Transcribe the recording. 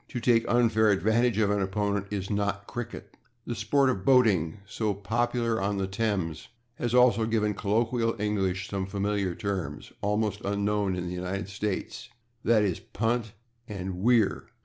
To take unfair advantage of an opponent is not /cricket/. The sport of boating, so popular on the Thames, has also given colloquial English some familiar terms, almost unknown in the United States, /e. g./, /punt/ and /weir